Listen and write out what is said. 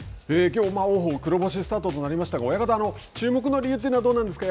きょう王鵬黒星スタートとなりましたが親方、注目の理由というのはどうなんですか。